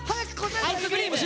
アイスクリーム！